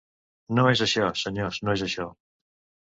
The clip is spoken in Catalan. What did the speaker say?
No és això, senyors, no és això.